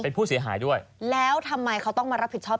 เป็นผู้เสียหายด้วยแล้วทำไมเขาต้องมารับผิดชอบ